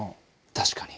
確かに。